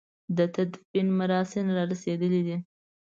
د تدفين مراسم را رسېدلي دي.